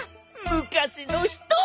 昔の人！